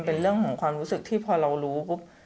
เป็นเรื่องของความรู้สึกที่พอเรารู้ปุ๊บ